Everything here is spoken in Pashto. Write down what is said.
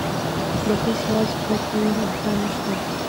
د هېڅ راز هوکړې امکان نه شته.